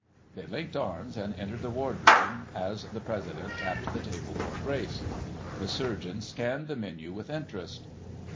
They linked arms and entered the Wardroom as the President tapped the table for grace. The Surgeon scanned the menu with interest.